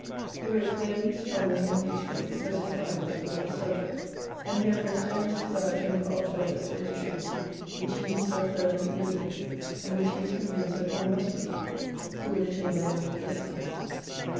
He wrote clearly, strongly, and beautifully because his mind was full of his subject, and he had a most earnest desire to impart to others those truths which he himself fer vently believed, and which he was convinced that all must believe who would attain the life of blessedness.